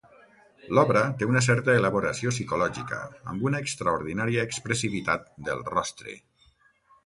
L'obra té una certa elaboració psicològica amb una extraordinària expressivitat del rostre.